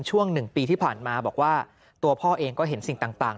๑ปีที่ผ่านมาบอกว่าตัวพ่อเองก็เห็นสิ่งต่าง